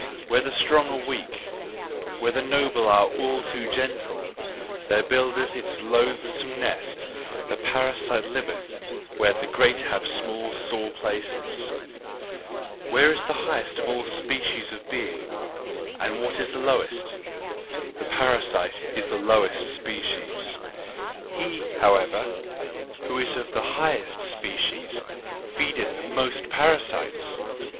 Where the strong are weak, where the noble are all too gentle there buildeth it its loathsome nest; the parasite liveth where the great have small sore places. What is the highest of all species of being, and what is the lowest? The parasite is the lowest species; he, however, who is of the highest species feedeth most parasites.